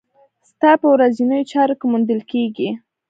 ستا په ورځنيو چارو کې موندل کېږي.